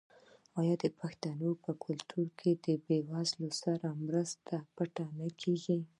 آیا د پښتنو په کلتور کې د بې وزلو سره مرسته پټه نه کیږي؟